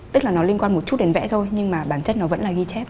tức là nó liên quan một chút đến vẽ thôi nhưng mà bản chất nó vẫn là ghi chép